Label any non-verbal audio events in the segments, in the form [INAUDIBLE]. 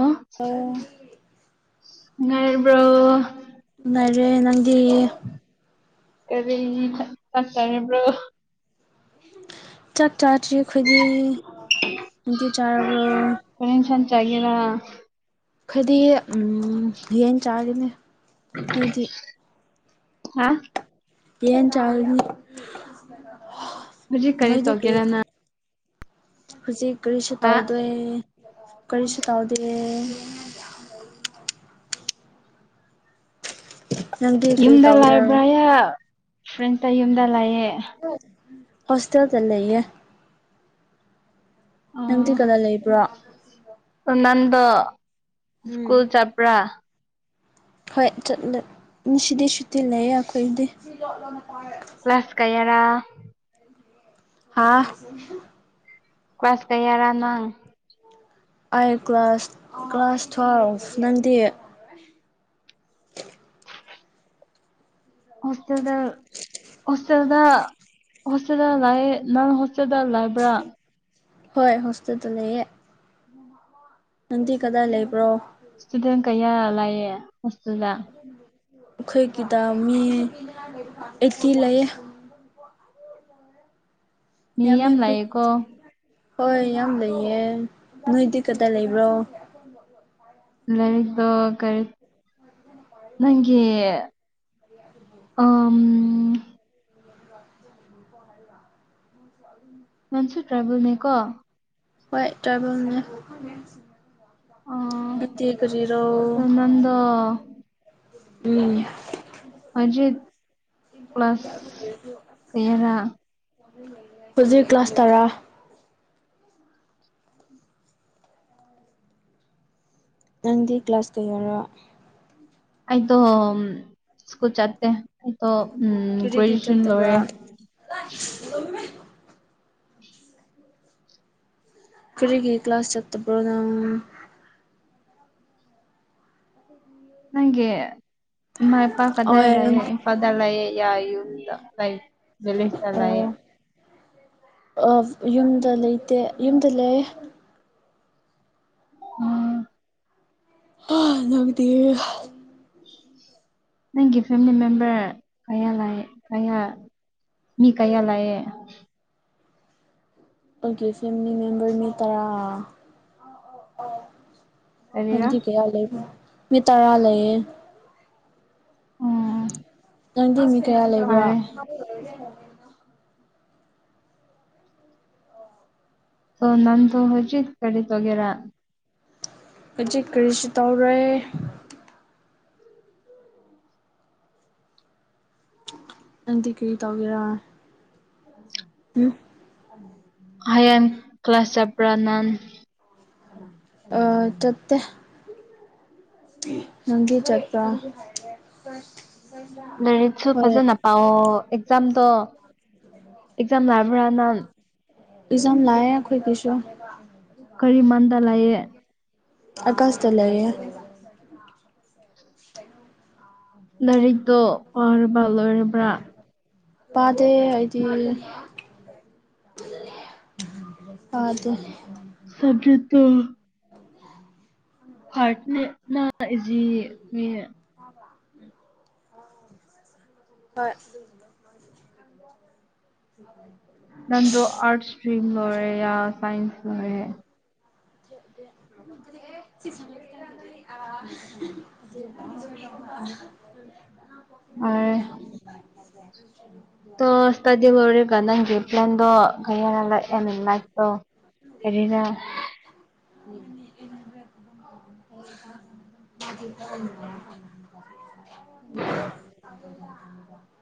ꯑꯣ ꯉꯥꯏꯔꯤꯕ꯭ꯔꯣ ꯂꯩꯥꯏꯔꯦ ꯅꯪꯗꯤ ꯀꯔꯤ ꯆꯥꯛꯆꯔꯕ꯭ꯔꯣ ꯆꯥꯛ ꯆꯥꯗ꯭ꯔꯤ ꯑꯩꯈꯣꯏꯗꯤ ꯅꯪꯗꯤ ꯆꯥꯔꯕ꯭ꯔꯣ ꯀꯔꯤ ꯌꯦꯟꯁꯥꯡ ꯆꯥꯒꯦꯔ ꯈꯣꯏꯗꯤ ꯎꯝ ꯌꯦꯟ ꯆꯥꯒꯅꯤ ꯅꯣꯢꯗꯤ ꯍꯥ ꯌꯦꯟ ꯆꯥꯔꯅꯤ ꯍꯧꯖꯤꯛ ꯀꯔꯤ ꯇꯧꯒꯦꯔꯅ ꯍꯧꯖꯤꯛ ꯀꯔꯤꯁꯨ ꯍꯥ ꯇꯧꯗꯣꯏ ꯀꯔꯤꯁꯨ ꯇꯧꯗꯦ ꯅꯪꯗꯤ ꯀꯔꯤ ꯌꯨꯝꯗ ꯇꯧꯒꯦꯔꯥ ꯂꯥꯛꯕ꯭ꯔ ꯐ꯭ꯔꯦꯟꯁꯇ ꯌꯨꯝꯗ ꯂꯥꯛꯑꯦ ꯍꯣꯁꯇꯦꯜꯗ ꯂꯩꯌꯦ ꯅꯪꯗꯤ ꯀꯗꯥꯏ ꯂꯩꯕ꯭ꯔꯣ ꯑꫭꯅꯟꯗꯣ ꯎꯝ ꯁ꯭ꯀꯨꯜ ꯆꯠꯄ꯭ꯔꯥ꯫ ꯍꯣꯏ ꯆꯠꯂꯦ ꯉꯁꯤꯗꯤ ꯁꯨꯇꯤ ꯂꯩꯌꯦ ꯑꯩꯈꯣꯏꯗꯤ꯫ ꯀ꯭ꯂꯥꯁ ꯀꯥꯌꯥꯔꯥ꯫ ꯍꯥꯥ꯫ ꯀ꯭ꯂꯥꯁ ꯀꯌꯥꯔꯥ ꯅꯪ꯫ ꯑꯩꯥ ꯀ꯭ꯂꯥꯁ ꯀ꯭ꯂꯥꯁ ꯇꯨꯋꯦꯜꯐ ꯅꯪꯗꯤ꯫ ꯍꯣꯁꯇꯦꯜꯗ ꯍꯣꯁꯇꯦꯜꯗ ꯍꯣꯁꯇꯦꯜꯦꯜꯗ ꯂꯥꯑꯦ ꯅꯪ ꯍꫭꯁꯇ ꯆꯗ ꯂꯥꯏꯕ꯭ꯔꯥ ꯍꯣꯏ ꯍꯣꯁꯇꯦꯜꯗ ꯂꯩꯌꯦ꯫ ꯅꯪꯗꯤ ꯀꯗꯥꯏ ꯂꯩꯕ꯭ꯔꯣ ꯏꯁꯇꯨꯗꯦꯟ ꯀꯩꯌꯥ ꯂꯑꯦ ꯍꯁꯇꯨꯗ ꯑꯩꯈꯣꯏꯒꯤꯗ ꯃꯤ ꯑꯩꯠꯇꯤ ꯂꯩꯌꯦ ꯃꯤ ꯌꯥꯝꯃꯦ ꯌꯥꯝ ꯑꯩꯈꯣꯏ ꯂꯩꯌꯦꯀꯣ ꯍꯣꯏ ꯌꯥꯝ ꯂꯩꯌꯦ ꯅꯣꯏꯗꯤ ꯀꯗꯥꯏ ꯂꯩꯕ꯭ꯔꯣ [INAUDIBLE] ꯂꯔꯤꯗꯣ ꯀꯔꯤ ꯅꯪꯒꯤ ꯑ ꯋꯥ ꯅꯪꯁꯨ ꯇ꯭ꯔꯥꯏꯕꯦꯜꯅꯤꯀꯣ ꯍꯣꯏ ꯇ꯭ꯔꯥꯏꯕꯦꯜꯅꯦ ꯑꯥ ꯅꯠꯇꯦ ꯀꯔꯤꯔꯣ꯫ ꯑꯗꯣ ꯅꯪꯗꯣ ꯎꯝ꯫ ꯍꯧꯖꯤꯠ ꯀꯌꯥꯔꯥ ꯍꯧꯖꯤꯛ ꯀ꯭ꯂꯥꯁ ꯇꯔꯥ꯫ ꯅꯪꯗꯤ ꯀ꯭ꯂꯥꯁ ꯀꯌꯥꯔꯥ꯫ ꯑꯩꯗꯣ ꯎꯝ ꯁ꯭ꯀꯨꯜ ꯆꯠꯇꯦ ꯑꯩꯗꯣ ꯎꯝ ꯀꯔꯤꯒꯤ ꯒ꯭ꯔꯦꯖꯨꯑꯦꯁꯟ ꯆꯠꯇꯕ꯭ꯔꯥ ꯂꯣꯏꯔꯦ꯫ [INAUDIBLE] ꯀꯔꯤꯒꯤ ꯀ꯭ꯂꯥꯁ ꯆꯠꯇꯕ꯭ꯔꯣ ꯅꯪ꯫ ꯅꯪꯒꯤ ꯏꯃꯥ ꯏꯄꯥ ꯑꯣꯏ ꯀꯗꯥꯏ ꯂꯩꯌꯦ ꯏꯝꯐꯥꯜꯗ ꯂꯩꯌꯦ ꯌꯥ ꯌꯨꯝꯗ ꯂꯩ꯫ ꯕꯤꯂꯤꯁꯇ ꯂꯩꯌꯦ꯫ ꯑꯁ ꯌꯨꯝꯗ ꯂꯩꯇꯦ ꯌꯨꯝꯗ ꯂꯩꯌꯦ꯫ ꯎꯝ꯫ ꯅꯪꯗꯤ꯫ ꯅꯪꯒꯤ ꯐꯦꯃꯤꯂꯤ ꯃꯦꯝꯕꯔ ꯀꯌꯥ ꯂꯩ ꯀꯌꯥ꯫ ꯃꯤ ꯀꯌꯥ ꯂꯩꯌꯦ꯫ ꯑꯣꯒꯤꯁꯤ ꯃꯤ ꯃꯦꯝꯕꯔ ꯃꯤ ꯇꯔꯥ꯫ ꯀꯔꯤꯔꯥ ꯅꯪꯗꯤ ꯀꯌꯥ ꯂꯩꯕ ꯃꯤ ꯇꯔꯥ ꯂꯩꯌꯦ꯫ ꯎꯝ꯫ ꯅꯪꯗꯤ ꯃꯤ ꯀꯌꯥ ꯂꯩꯕ꯭ꯔꯥ꯫ ꯐꯔꯦ ꯑꫭ ꯅꯟꯗꯣ ꯍꯧꯖꯤꯠ ꯀꯔꯤ ꯗꯧꯒꯦꯔꯥ꯫ ꯍꯨꯖꯤꯛ ꯀꯔꯤꯁꯨ ꯇꯧꯔꫭꯏ꯫ ꯅꯪꯗꯤ ꯀꯔꯤ ꯇꯧꯒꯦꯔꯥ꯫ ꯎꯝ꯫ [INAUDIBLE] ꯍꯥꯌꯦꯡ ꯀ꯭ꯂꯥꯁ ꯆꯠꯄ꯭ꯔꯥ ꯅꯟ꯫ ꯑ ꯆꯠꯇꯦ꯫ ꯅꯪꯗꯤ ꯆꯠꯄ꯭ꯔꯥ꯫ ꯂꯥꯏꯔꯤꯛꯁꯨ ꯍꯣꯏ ꯐꯖꯅ ꯄꯥꯑꯣ ꯑꯦꯛꯖꯥꯝꯗꯣ ꯑꯦꯛꯖꯥꯝ ꯂꯔꯕ꯭ꯔꯥ ꯅꯪ꯫ ꯏꯖꯝ ꯂꯥꯑꯦ ꯑꯩꯈꯣꯏꯒꯤꯁꯨ꯫ ꯀꯔꯤ ꯃꯟꯗ ꯂꯩꯌꯦ ꯑꯀꯥꯁꯇ ꯂꯩꯌꯦ꯫ ꯂꯥꯏꯔꯤꯛꯇꯣ ꯄꯥꯔꯕ ꯂꯣꯏꯔꯕ꯭ꯔꯥ꯫ ꯄꯥꯗꯦ ꯑꯩꯗꯤ ꯑ ꯑꯗꯨ ꯁꯖꯛꯇꯣ [INAUDIBLE] ꯑꯕ ꯎꯝ ꯍꯣꯏ ꯎ ꯅꯪꯗꯣ ꯑꯔꯠꯁ ꯁꯇ꯭ꯔꯤꯝ ꯂꯣꯏꯔꯤꯔꯥ ꯁꯥꯏꯟꯁ ꯁꯇ꯭ꯔ꯭ꯤꯝ ꯂꯣꯏꯔꯤꯔꯥ [UNINTELLIGIBLE] [INAUDIBLE] ꯐꯔꯦ [INAUDIBLE] [UNINTELLIGIBLE] [UNINTELLIGIBLE] [INAUDIBLE] [INAUDIBLE]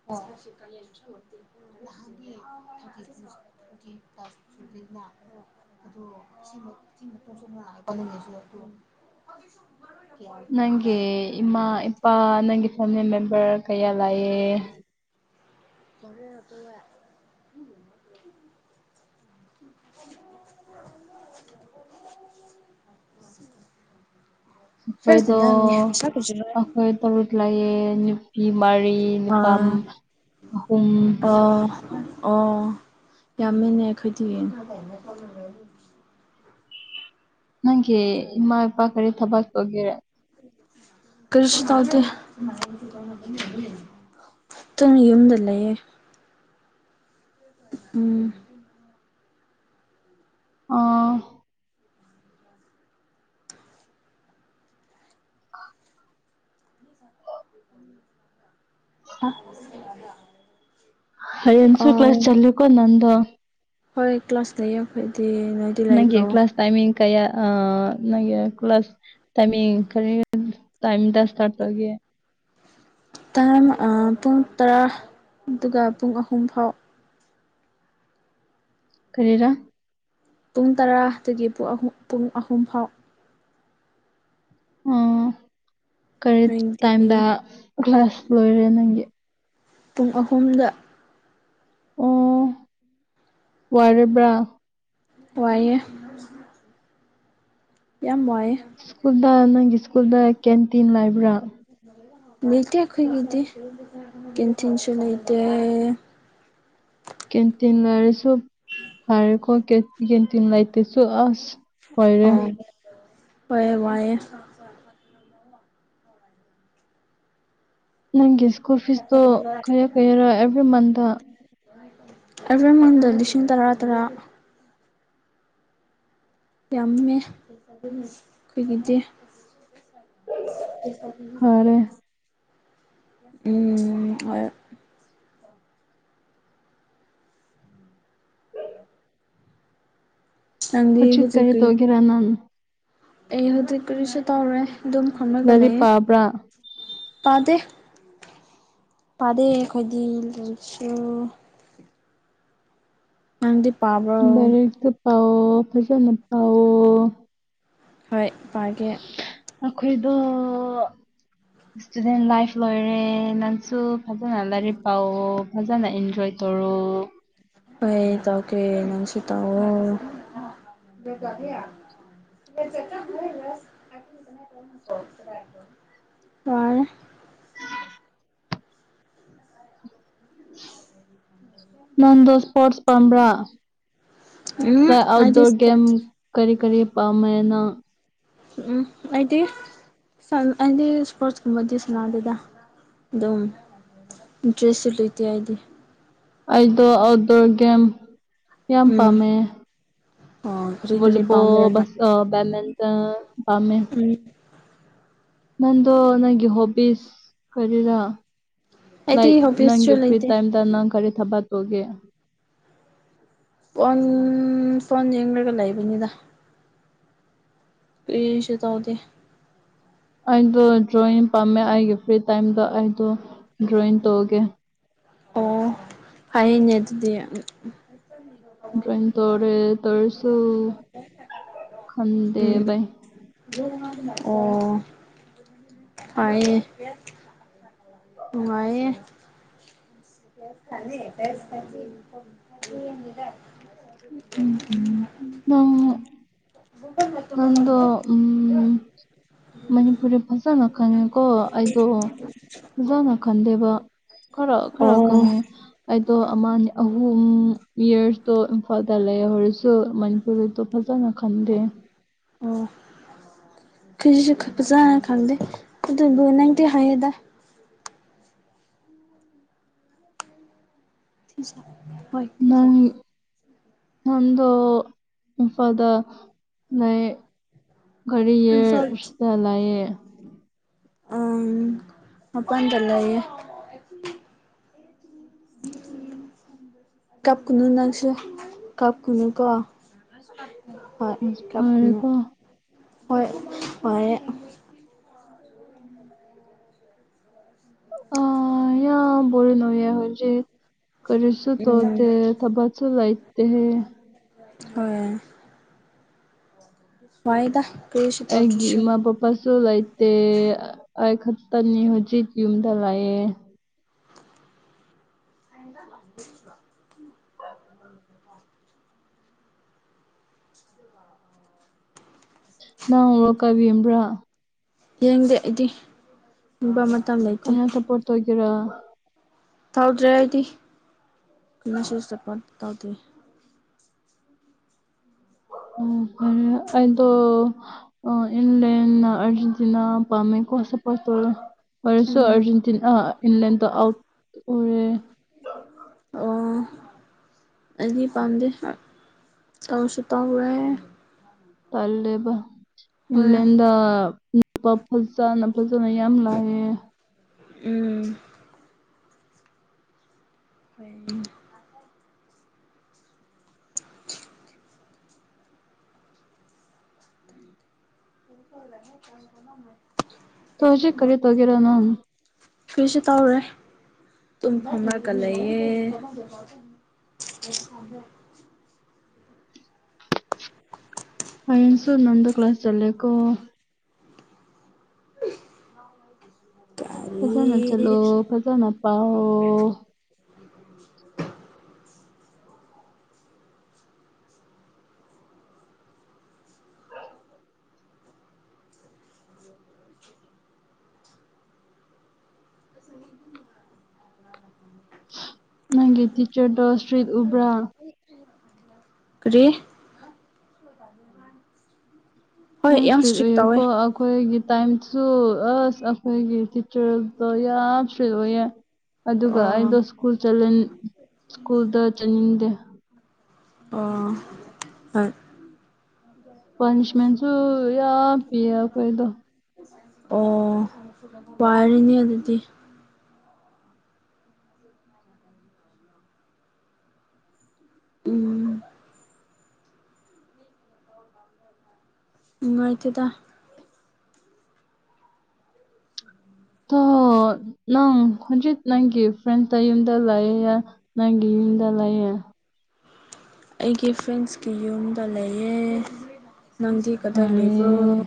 [UNINTELLIGIBLE] [INAUDIBLE] [INAUDIBLE] ꯅꯪꯒꯤ ꯏꯃꯥ ꯏꯄꯥ ꯅꯪꯒꯤ ꯐꯦꯃꯤꯂꯤ ꯃꯦꯝꯕꯔ ꯀꯥꯌꯥ ꯂꯩꯌꯦ ꯐꯔꯦ ꯇꯦ [INAUDIBLE] ꯑꯩꯈꯣꯏꯗ ꯁꯛꯄꯁꯤꯔꯣ ꯑꯩꯈꯣꯏ ꯇꯔꯨ ꯇꯂꯥꯏꯦ ꯐ ꯃꯔꯤ ꯅꯨꯄꯥ ꯑꯍꯨꯝ ꯑꯥ ꯑꯣ ꯌꯥꯝꯃꯤꯟꯅ ꯑꯩꯈꯣꯏꯗꯤ ꯅꯪꯦ ꯏꯃꯥ ꯏꯄꯥ ꯀꯔꯤ ꯊꯕꯥꯥꯛ ꯍꯣꯒꯦꯔꯦ ꯀ꯭ꯔꯤꯁ ꯇꯗ ꯆꯠꯇꯅ ꯌꯨꯝꯗ ꯂꯩꯌꯦ ꯎꯝ ꯑꯥ ꯎꯝ ꯑ ꯍꯌꯦꯡꯁꯨ ꯀ꯭ꯂꯥꯁ ꯆꯠꯂꯦꯀꯣ ꯅꯪꯗꯣ ꯍꯣꯏ ꯀ꯭ꯂꯥꯁꯗ ꯌꯦꯛꯈꯗꯤ ꯅꯣꯏꯗꯤ ꯂꯩꯕ꯭ꯔꯣ ꯇꯥꯏꯃꯤ ꯀꯌꯥ ꯑ ꯅꯪꯦ ꯀ꯭ꯂ ꯀ꯭ꯂꯥꯁ ꯇꯥꯏꯃꯤꯡ ꯀꯔꯤ ꯇꯥꯏꯝꯗ ꯁꯇꯥꯔꯠ ꯇꯧꯒꯦ ꯇꯥꯝ ꯄꯨꯡ ꯇꯔꯥ ꯑꯗꯨꯒ ꯄꯨꯡ ꯑꯍꯨꯝ ꯐꯥꯎ ꯀꯔꯤꯔꯥ ꯄꯨꯡ ꯇꯔꯥꯗꯒꯤ ꯄꯨꯡ ꯑꯍꯨꯝ ꯐꯥꯎ ꯑꯣ ꯀꯔꯤ ꯅꯣꯏꯗꯤ ꯇꯥꯏꯝꯗ ꯀ꯭ꯂꯥꯁ ꯂꯣꯏꯔꯦ ꯅꯪꯒꯤ ꯄꯨꯡ ꯑꯍꯨꯝꯗ ꯑꯣ ꯋꯥꯔꯕ꯭ꯔꯥ ꯋꯥꯏꯌꯦ ꯌꯥꯝ ꯋꯥꯏꯌꯦꯦ ꯁ꯭ꯀꯨꯜꯗ ꯅꯪꯒꯤ ꯁ꯭ꯀꯨꯜꯗ ꯀꯦꯟꯇꯤꯟ ꯂꯩꯕ꯭ꯔꯥ ꯂꯩꯇ ꯑꯩꯈꯣꯏꯒꯤꯗꯤ ꯀꯤꯟꯊꯤꯟꯁꯨ ꯂꯩꯇ ꯀꯦꯟꯇꯤꯟ ꯂꯩꯔꯁꯨ ꯍꯥꯏꯔꯦꯀꯣ ꯀ ꯀꯦꯟꯇꯤꯟ ꯂꯩꯥꯏꯇꯁꯨ ꯑꯁ ꯑ ꯑꯣꯏꯔꯦ ꯍꯑꯦ ꯋꯥꯑꯦ ꯅꯪꯒꯤ ꯁ꯭ꯀꯨꯜ ꯐꯤꯁꯇꯣ ꯀꯩꯌꯥꯔ ꯀꯩꯌꯥꯔ ꯑꯦꯕ꯭ꯔꯤ ꯃꯟꯇ [UNINTELLIGIBLE] ꯃꯟꯗ ꯂꯤꯁꯤꯡ ꯇꯔꯥ ꯇꯔꯥ ꯌꯥꯝꯃꯦ ꯑꯩꯈꯣꯏꯒꯤꯗꯤ ꯐꯔꯦ ꯎꯝ ꯍꯣꯏ ꯅꯪꯗꯤ ꯍꯧꯖꯤꯛ ꯀꯔꯤ ꯑꯩ ꯍꯧꯖꯤꯛ ꯀꯔꯤꯁꯨ ꯇꯧꯔꯣꯏ ꯗꯝ ꯐꯝꯃꯒ ꯂꯥꯏꯔꯤꯛ ꯂꯩꯌꯦ ꯄꯥꯕ꯭ꯔꯥ ꯄꯥꯗꯦ ꯄꯥꯗꯦ ꯑꯩꯈꯣꯏꯗꯤ ꯂꯥꯏꯔꯤꯛꯁꯨ ꯅꯪꯗꯤ ꯄꯥꯕꯔꯣ ꯂꯥꯏꯔꯤꯛꯁꯨ ꯄꯑꯣ ꯐꯖꯅ ꯄꯑꯣ ꯍꯣꯏ ꯄꯥꯒꯦ ꯑꯩꯈꯣꯏꯗ ꯏꯁꯇꯨꯗꯦꯟ ꯂꯥꯏꯐ ꯂꯣꯏꯔꯦ ꯅꯪꯁꯨ ꯐꯖꯅ ꯂꯥꯏꯔꯤꯛ ꯄꯥꯑꯣ ꯐꯖꯅ ꯏꯟꯖꯣꯏ ꯇꯧꯔꯣ ꯑꯩꯩ ꯇꯧ ꯀꯦꯅꯁꯤ ꯇ ꯑꯣ ꯑ [UNINTELLIGIBLE] ꯅꯪꯗ ꯏꯁꯄꯣꯔꯠꯁ ꯄꯝꯕ꯭ꯔꯥ ꯎꯝ ꯑꯩꯗꯤ ꯑꯥꯎꯠꯗꯣꯔ ꯦꯦꯝ ꯏꯁꯄꯣꯔꯠꯁ ꯀꯔꯤ ꯀꯔꯤ ꯄ ꯃꯅ ꯎꯝ ꯑꯗꯤ ꯍꯥꯏꯗꯤ ꯏꯁꯄꯣꯔꯠꯁ ꯀꯨꯝꯕꯗꯤ ꯁꯅꯥꯗꯨꯗ ꯑꯗꯨꯝ ꯏꯟꯇ꯭ꯔꯦꯁꯁꯨ ꯂꯩꯇꯦ ꯍꯥꯏꯗꯤ ꯑꯩꯗꯣ ꯑꯥꯎꯠꯗꯣꯔ ꯒꯦꯝ ꯌꯥꯝ ꯎꯝ ꯄꯥꯝꯃꯦ ꯑꯣ ꯀꯔꯤ ꯀꯔꯤ ꯚꯣꯂꯤꯕꯣꯜ ꯄꯥꯝꯕ꯭ꯔ ꯅꯪ ꯕꯦꯠꯃꯤꯟꯇꯟ ꯄꯥꯝꯃꯦ ꯎꯝ ꯅꯪꯗꯣ ꯅꯪꯒꯤ ꯍꯣꯕꯤꯁ ꯀꯔꯤꯔ ꯂꯥꯏꯛ ꯑꯩꯗꯤ ꯅꯪꯒꯤ ꯍꯣꯕꯤꯁꯁꯨ ꯐ꯭ꯔꯤ ꯂꯩꯇꯦ ꯇꯥꯏꯝ ꯇ ꯅꯪ ꯀꯔꯤ ꯊꯥꯕꯛ ꯇꯧꯒꯦ ꯐꯣꯟ ꯐꯣꯟ ꯌꯦꯡꯔꯒ ꯂꯩꯕꯅꯤꯗ ꯀꯔꯤꯁꯨ ꯇꯧꯗꯦ ꯑꯩꯗꯣ ꯗ꯭ꯔꯣꯌꯤꯡ ꯄꯥꯝꯃꯦ ꯑꯩꯒꯤ ꯐ꯭ꯔꯤ ꯇꯥꯏꯝꯗ ꯑꯩꯗꯣ ꯗ꯭ꯔꯣꯌꯤꯡ ꯇꯧꯒꯦ ꯑꯣ ꯐꯩꯅꯦ ꯑꯗꯨꯗꯤ [UNINTELLIGIBLE] ꯇꯧꯔꯦ ꯇꯧꯔꯁꯨ ꯈꯪꯗꯦ ꯎꯝ ꯚꯥꯏ ꯑꯣ ꯄꯥꯌꯦ ꯅꯨꯉꯥꯏꯌꯦ [UNINTELLIGIBLE] ꯎꯝ [INAUDIBLE] ꯅꯪꯗꯣ ꯎꯝ ꯃꯅꯤꯄꯨꯔꯤ ꯐꯖꯅ ꯈꯪꯉꯦꯀꯣ ꯑꯩꯗꯣ ꯐꯖꯥꯅ ꯈꯡꯗꯦꯕ ꯈꯔ ꯈꯔ ꯑꯣ ꯈꯪꯉꯦ ꯑꯩꯗꯣ ꯑꯃ ꯑꯍꯨꯝ ꯌꯔꯁꯇꯣ ꯏꯝꯐꯥꯜꯗ ꯂꯩꯍꯧꯔꯁꯨ ꯃꯅꯤꯄꯨꯔꯤꯗꯣ ꯐꯖ ꯐꯖꯅ ꯈꯡꯗꯦ ꯑꯣ ꯑꯩꯈꯣꯏꯁꯨ ꯐꯖꯥꯅ ꯈꯪꯗꯦ ꯑꯗꯨꯕꯨ ꯅꯪꯗꯤ ꯍꯥꯏꯌꯦꯗ ꯍꯣꯏ ꯊꯥꯖ ꯅꯪ ꯅꯪꯗꯣ ꯏꯝꯐꯥꯜꯗ ꯅ ꯏꯝꯐꯥꯜ ꯀꯔꯤꯌꯔꯁꯇꯥ ꯂꯤꯏꯌꯦ ꯎꯝ ꯑꯝꯀꯥ ꯍꯟꯖꯤꯜꯂꯦꯌꯦ [INAUDIBLE] ꯀꯞꯀꯅꯨ ꯅꯪꯁꯨ ꯀꯞꯀꯅꯨ ꯀꯣ ꯍꯣꯏ ꯑꯁ ꯀꯅ ꯐꯔꯦꯀꯣ ꯍꯣꯏ ꯍꯣꯏ ꯑ ꯌꯥꯝ ꯕꯣꯔꯤꯡ ꯑꯣꯏꯌꯦ ꯍꯧꯖꯤꯛ ꯀꯔꯤꯁꯨ ꯎꯝ ꯇꯧꯗꯦ ꯊꯥꯕꯛꯁꯨ ꯂꯩꯇꯦꯍꯦ ꯍꯣꯏ ꯋꯥꯏꯌꯦꯗ ꯑꯩꯒꯤ ꯏꯃꯥ ꯄ ꯄꯁꯨ ꯂꯩꯇꯦ ꯑꯩ ꯈꯛꯇꯅꯤ ꯍꯧꯖꯤꯛ ꯌꯨꯝꯗ ꯂꯩꯌꯦ [INAUDIBLE] [UNINTELLIGIBLE] ꯅꯪ ꯋꯥ ꯀꯕ ꯌꯦꯡꯕ꯭ꯔꯥ ꯌꯦꯡꯗꯦ ꯑꯩꯗꯤ [UNINTELLIGIBLE] ꯃꯇꯝ ꯂꯩ ꯀꯅꯥ ꯁꯄꯣꯔꯠ ꯇꯣꯏꯒꯦꯔꯥ ꯇꯧꯗ꯭ꯔꯦ ꯑꯩꯗꯤ ꯃꯦꯁꯦꯁꯇ ꯐꯣꯟ ꯇꯧꯗꯦ ꯎꯝ ꯐꯔꯦ ꯑꯩꯗꯣ ꯑ ꯏꯟꯂꯦꯟꯅ ꯑꯔꯖꯦꯟꯇꯤꯅꯥ ꯄꯥꯝꯃꯦꯀꯣ ꯁꯄꯣꯔꯠ ꯇꯧꯔꯣ ꯔꯁꯨ ꯎꯝ ꯑꯔꯖꯦꯟꯇꯤꯅꯥ ꯏꯪꯪꯂꯦꯟꯗ ꯑꯥꯎꯠ ꯑꯣꯏꯔꯦ ꯑꯣ ꯑꯩꯗꯤ ꯄꯥꯝꯗꯦ ꯇꯧꯁꯨ ꯇꯧꯋꯦ ꯇꯂꯦꯕ ꯍꯣꯏ ꯏꯟꯂꯦꯟꯗ [INAUDIBLE] ꯐꯖꯅ ꯐꯖꯅ ꯌꯥꯝ ꯂꯥꯛꯑꯦ ꯎꯝ ꯍꯣꯏ [UNINTELLIGIBLE] ꯇꯣ ꯍꯨꯖꯤꯛ ꯀꯔꯤ ꯇꯧꯒꯦꯔꯥ ꯅꯪ ꯐꯁꯨ ꯇꯧꯔꯦ ꯇꯨꯝ ꯐꯝꯃꯒ ꯂꯩꯌꯦ [INAUDIBLE] ꯍꯌꯦꯡꯁꯨ ꯅꯪꯗ ꯀ꯭ꯂꯥꯁ ꯆꯠꯜꯂꯦꯀꯣ ꯐꯖꯅ ꯀꯔꯤ ꯆꯠꯂꯣ ꯐꯖꯅ ꯄꯥꯎꯑꯣ ꯅꯪꯒꯤ ꯇꯤꯆꯔꯗꯣ ꯁꯇ꯭ꯔꯤꯛ ꯎꯕ꯭ꯔꯥ ꯀꯔꯤ [INAUDIBLE] ꯍꯣꯏ ꯌꯥꯝ ꯁꯇ꯭ꯔꯤꯠ ꯏꯁꯇ꯭ꯔꯤꯛ ꯇꯧꯋꯦ ꯑꯣꯏꯌꯦꯀꯣ ꯑ ꯈꯣꯏꯒꯤ ꯇꯥꯏꯝꯁꯨ ꯑꯁ ꯑꯩꯈꯣꯏꯒꯤ ꯇꯤꯆꯔꯗꯣ ꯌꯥꯝ ꯁꯇ꯭ꯔꯤꯠ ꯑꯣꯏꯌꯦ ꯑꯗꯨꯒ ꯑꯣ ꯑꯩꯗꯣ ꯁ꯭ꯀꯨꯜ ꯆꯂꯟ ꯁ꯭ꯀꯨꯜꯗ ꯆꯠꯅꯤꯡꯗꯦ ꯑꯣ ꯍꯣꯏ ꯄꯅꯤꯁꯃꯦꯟꯁꯨ ꯌꯥꯝ ꯄꯤꯌꯦ ꯑꯩꯈꯣꯏꯗꯣ ꯑꯣ ꯋꯥꯔꯤꯅꯤ ꯑꯗꯨꯗꯤ ꯎꯝ ꯅꯨꯡꯉꯥꯏꯇꯦꯗ [UNINTELLIGIBLE] ꯅꯪ ꯍꯟꯖꯤꯠ ꯅꯪꯒꯤ ꯐ꯭ꯔꯦꯟꯁ ꯇ ꯌꯨꯝꯗ ꯂꯩꯌꯦ ꯅꯪꯒꯤ ꯌꯨꯝꯗ ꯂꯩꯌꯦ ꯑꯩꯒꯤ ꯐ꯭ꯔꯦꯟꯁꯀꯤ ꯌꯨꯝꯗ ꯂꯩꯌꯦ ꯅꯪꯗꯤ ꯀꯗꯥꯏ ꯂꯩꯕ꯭ꯔꯣ ꯐꯔꯦ